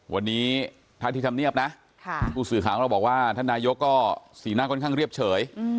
วันนี้ถ้าที่ทำเนียบนะผู้สื่อข่าวของเราบอกว่าท่านนายกก็สีหน้าค่อนข้างเรียบเฉย